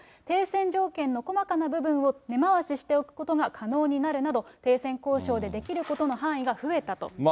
停戦条件の細かな部分を根回ししておくことが可能になるなど、停戦交渉でできることの範囲が増えたと。